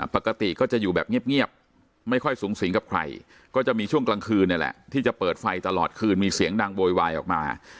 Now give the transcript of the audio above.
ปกติก็จะอยู่แบบเงียบไม่ค่อยสูงสิงกับใครก็จะมีช่วงกลางคืนนี่แหละที่จะเปิดไฟตลอดคืนมีเสียงดังโวยวายออกมา